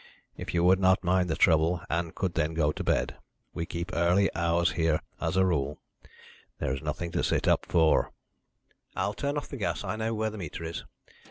If you would not mind the trouble Ann could then go to bed. We keep early hours here, as a rule. There is nothing to sit up for." "I'll turn off the gas I know where the meter is.